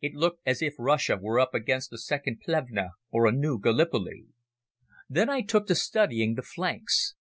It looked as if Russia were up against a second Plevna or a new Gallipoli. Then I took to studying the flanks.